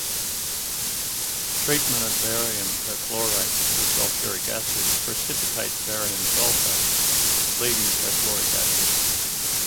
Treatment of barium perchlorate with sulfuric acid precipitates barium sulfate, leaving perchloric acid.